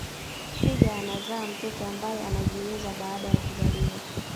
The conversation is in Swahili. Twiga anazaa mtoto ambaye anajiweza baada ya kuzaliwa